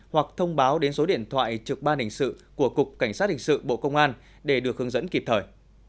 hoặc thông báo đến số điện thoại trực ban hình sự của cục cảnh sát hình sự bộ công an để được hướng dẫn kịp thời